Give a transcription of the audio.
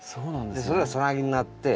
それがサナギになって。